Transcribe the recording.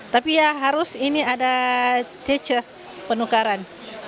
tapi ya harus ini ada cace penukaran